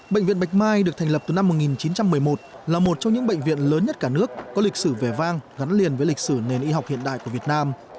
bệnh viện bạch mai được thành lập từ năm một nghìn chín trăm một mươi một là một trong những bệnh viện lớn nhất cả nước có lịch sử vẻ vang gắn liền với lịch sử nền y học hiện đại của việt nam